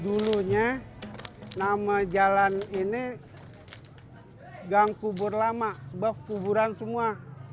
dulunya nama jalan ini gang kubur lama sebab kuburan semua